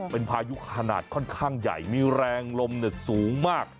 เป็นพายุขนาดค่อนข้างใหญ่มีแรงลมสูงมาก